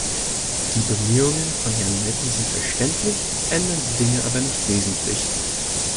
Die Bemühungen von Herrn Metten sind verständlich, ändern die Dinge aber nicht wesentlich.